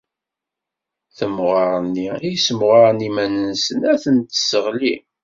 Temɣer-nni i ssemɣaren iman-nsen, ad ten-tesseɣli.